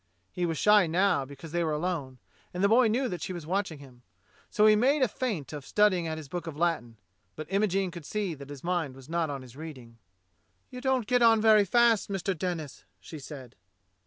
He was shy now because they were alone, and the boy knew that she was watching him; so he made a feint of studying his book of Latin, but Imogene could see that his mind was not on his reading. "You don't get on very fast, Mr. Denis," she said.